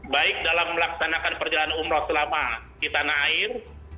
baik dalam melaksanakan perjalanan umroh selama di tanah air